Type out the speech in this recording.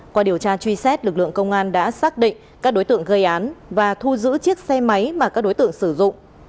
qua điều tra truy xét lực lượng công an đã xác định các đối tượng gây án và thu giữ chiếc xe máy mà các đối tượng sử dụng